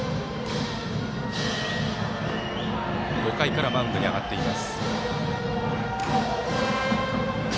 ５回からマウンドに上がっています。